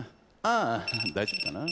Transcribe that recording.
あ大丈夫かなぁ。